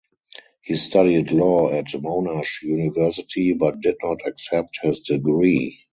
He studied law at Monash University but did not accept his degree.